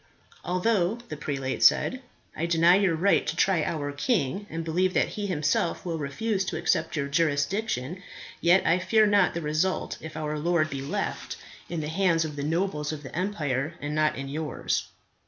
"Although," the prelate said, "I deny your right to try our king, and believe that he himself will refuse to accept your jurisdiction, yet I fear not the result if our lord be left in the hands of the nobles of the empire and not in yours.